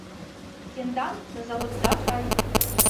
Тендан тазалыкда сай.